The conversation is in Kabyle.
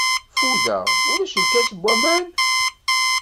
Ffudeɣ, ulac lkas n waman?